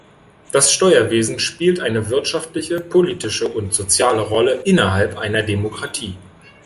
Das Steuerwesen spielt eine wirtschaftliche, politische und soziale Rolle innerhalb einer Demokratie.